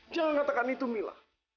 jangan katakan itu mila